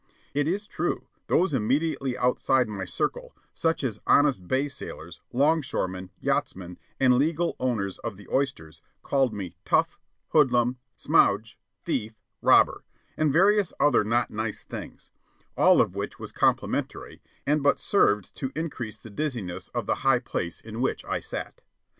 It is true, those immediately outside my circle, such as honest bay sailors, longshoremen, yachtsmen, and the legal owners of the oysters, called me "tough," "hoodlum," "smoudge," "thief," "robber," and various other not nice things all of which was complimentary and but served to increase the dizziness of the high place in which I sat.